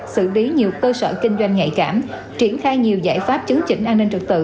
xử lý nhiều cơ sở kinh doanh nhạy cảm triển khai nhiều giải pháp chứng chỉnh an ninh trật tự